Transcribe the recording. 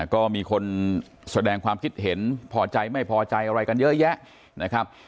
ก็มีคนแสดงความคิดเห็นพอใจไม่พอใจอะไรกันเยอะแยะนะครับ